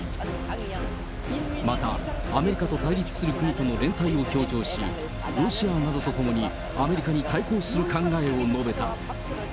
また、アメリカと対立する国との連帯を強調し、ロシアなどとともにアメリカに対抗する考えを述べた。